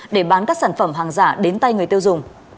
để bán các sản phẩm hàng giả đến tay người tiêu dùng